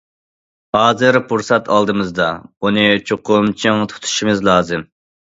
ھازىر پۇرسەت ئالدىمىزدا، بۇنى چوقۇم چىڭ تۇتۇشىمىز لازىم.